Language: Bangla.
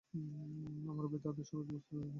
আমার ভাই তোমাদের সবাইকে খুঁজতে আসবে।